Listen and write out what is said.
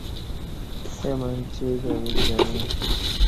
اہ منچے کویک دمیں